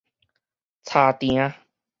柴埕